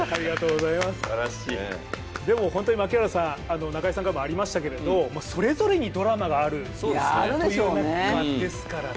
でも本当に、中居さんからもありましたけどそれぞれにドラマがあるという中ですからね。